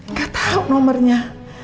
gak tau nomornya